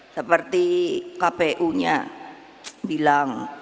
seperti kpu nya bilang